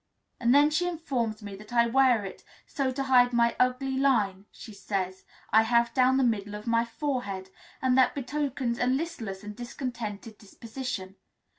And then she informs me that I wear it so to hide an ugly line she says I have down the middle of my forehead, and that betokens a listless and discontented disposition.